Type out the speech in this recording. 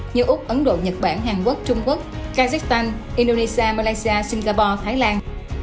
như úc ấn độ nhật bản hàn quốc trung quốc kazakhstan indonesia malaysia singapore thái lan